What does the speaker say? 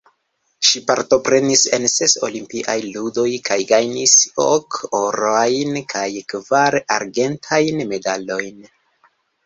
Ŝi partoprenis en ses Olimpiaj Ludoj kaj gajnis ok orajn kaj kvar arĝentajn medalojn.